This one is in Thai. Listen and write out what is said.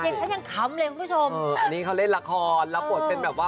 ผมแยกถ้านิ่งคำเลยคุณผู้ชมค่ะนี่เขาเล่นละครแล้วบทเป็นแบบว่า